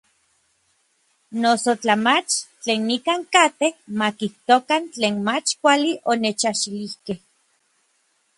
Noso tla mach, tlen nikan katej ma kijtokan tlen mach kuali onechajxilijkej.